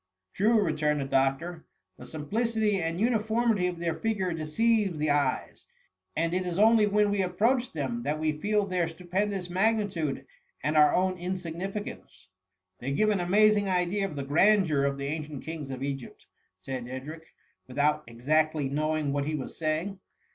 " True,"*' returned the doctor ;" the simpli city and uniformity of their figures deceive the eyes, and it is only when we approach them that we feel their stupendous magnitude and our own insignificance r " They give an amazing idea of the grandeur of the ancient kings of Egypt,"" said Edric, without exactly knowing what he was saying.